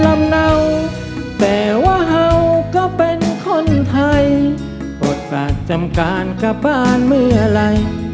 เนาแต่ว่าเห่าก็เป็นคนไทยอดฝากจำการกลับบ้านเมื่อไหร่